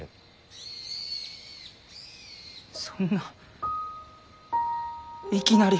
そんないきなり。